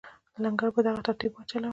لنګر په دغه ترتیب وچلاوه.